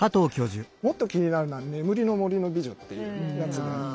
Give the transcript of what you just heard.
もっと気になるのは「眠れる森の美女」っていうやつで。